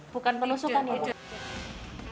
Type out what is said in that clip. bukan penusukan ya bu